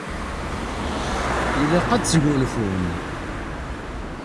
Ilaq ad tesgunfum.